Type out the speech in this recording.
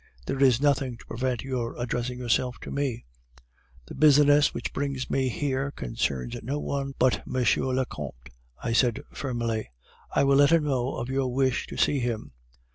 'There is nothing to prevent your addressing yourself to me ' "'The business which brings me here concerns no one but M. le Comte,' I said firmly. "'I will let him know of your wish to see him.